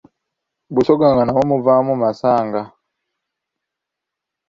Busoga nga namwo muvaamu masanga.